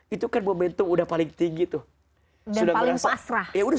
itu kan momentum udah paling tinggi tuh